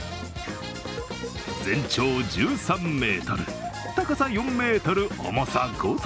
全長１３ｍ、高さ４ｍ、重さ５ｔ。